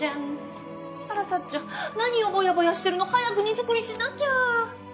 あらサッちゃん何をぼやぼやしてるの？早く荷造りしなきゃ。